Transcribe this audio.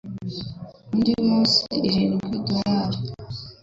Undi munsi, irindi dorari